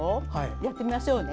やってみましょう。